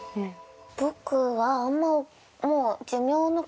僕はあんまもう。